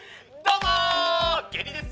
「どうも！」